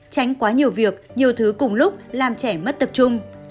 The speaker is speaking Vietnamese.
tránh quá nhiều việc nhiều thứ cùng lúc làm trẻ mất tập trung